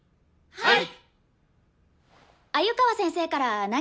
はい！